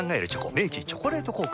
明治「チョコレート効果」